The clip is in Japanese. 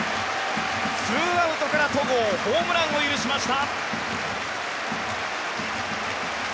ツーアウトから戸郷ホームランを許しました。